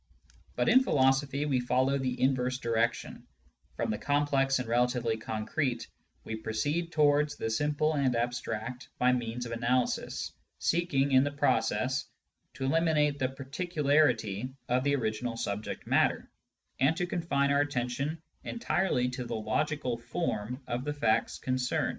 But in philosophy we follow the inverse direction : from the complex and relatively concrete we proceed towards the simple and abstract by means of analysis, seeking, in the process, to eliminate the particularity of the original subject matter, and to confine our attention entirely to the logical /^rw of the facts concerned.